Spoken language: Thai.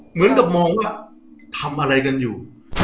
เหมือนกับมองว่าทำอะไรกันอยู่